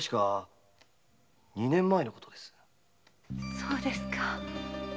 〔そうですか。